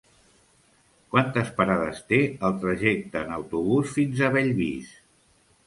Quantes parades té el trajecte en autobús fins a Bellvís?